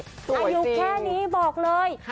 สวยจริงอายุแค่นี้บอกเลย